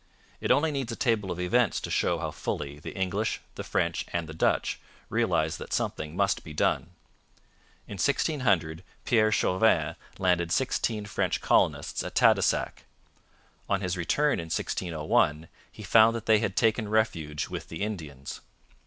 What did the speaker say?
It only needs a table of events to show how fully the English, the French, and the Dutch realized that something must be done. In 1600 Pierre Chauvin landed sixteen French colonists at Tadoussac. On his return in 1601 he found that they had taken refuge with the Indians.